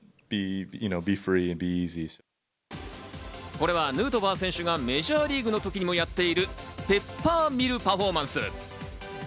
これはヌートバー選手がメジャーリーグの時にもやっている、ペッパーミルパフォーマンス。